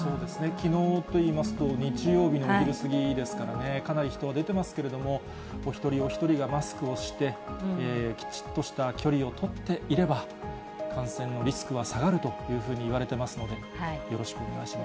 きのうといいますと、日曜日のお昼過ぎですからね、かなり人は出ていますけれども、お一人お一人がマスクをして、きちっとした距離を取っていれば、感染のリスクは下がるというふうにいわれてますので、よろしくお願いしま